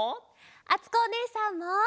あつこおねえさんも！